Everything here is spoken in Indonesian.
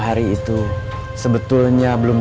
apa kamu bisa yang lebih berharga